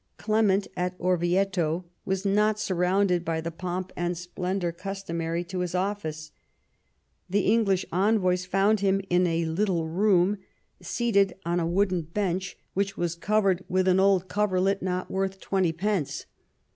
. Clement at Orvieto was not surrounded by the pomp and splendour customary to his office. The English envoys found him in a little room, seated on a wooden bench IX ;. THE KING'S DIVORCE 163 which was covered with "an old coverlet not worth twenty pence."